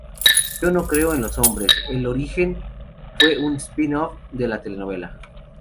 Yo no creo en los hombres...el origen, fue un spin-off de la telenovela.